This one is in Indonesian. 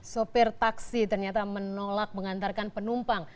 sopir taksi ternyata menolak mengantarkan penumpang